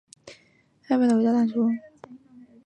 你曾说过害怕回到当初